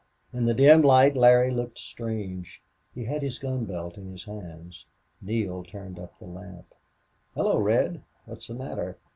In the dim light Larry looked strange. He had his gun belt in his hands. Neale turned up the lamp. "Hello, Red! What's the matter?